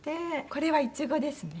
これはいちごですね。